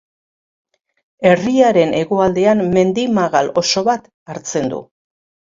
Herriaren hegoaldean mendi magal oso bat hartzen du.